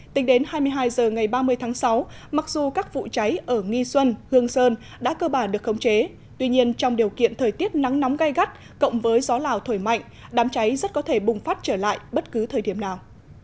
tính đến hai mươi hai h ngày ba mươi tháng sáu mặc dù các vụ cháy ở nghi xuân hương sơn đã cơ bản được khống chế tuy nhiên trong điều kiện thời tiết nắng nóng gai gắt cộng với gió lào thổi mạnh đám cháy rất có thể bùng phát trở lại bất cứ thời điểm nào